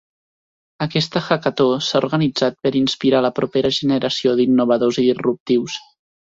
Aquesta hackató s'ha organitzat per inspirar la propera generació d'innovadors i disruptius.